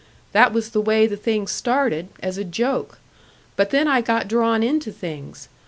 That was the way the thing started as a joke. But then I got drawn into things.